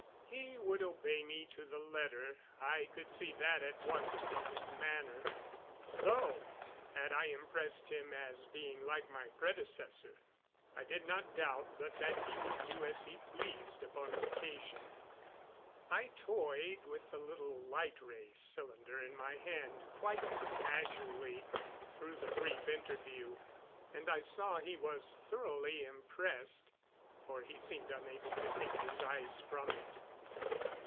He would obey me to the letter, I could see that at once from his manner; though, had I impressed him as being like my predecessor, I did not doubt but that he would do as he pleased upon occasion. I toyed with the little light ray cylinder in my hand quite casually through the brief interview, and I saw he was thoroughly impressed, for he seemed unable to take his eyes from it.